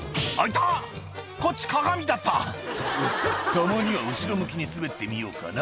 「たまには後ろ向きに滑ってみようかな」